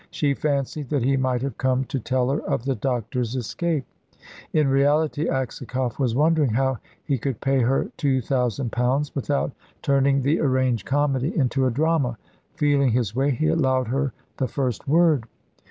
She fancied that he might have come to tell her of the doctor's escape. In reality, Aksakoff was wondering how he could pay her two thousand pounds without turning the arranged comedy into a drama. Feeling his way, he allowed her the first word.